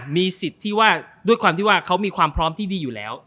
มีสิทธิ์ที่ว่าด้วยความที่ว่าเขามีความพร้อมที่ดีอยู่แล้ว